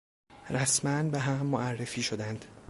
رسما به هم معرفی شدند.